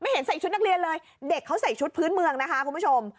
เห็นใส่ชุดนักเรียนเลยเด็กเขาใส่ชุดพื้นเมืองนะคะคุณผู้ชม